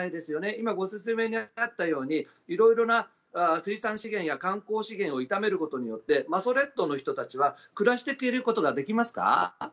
今、ご説明にあったように色々な水産資源や観光資源を痛めることによって馬祖列島の人たちは暮らしていけることができますか？